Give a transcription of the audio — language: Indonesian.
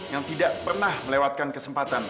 yang tidak pernah melewatkan kesempatan